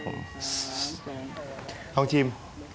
ของชิม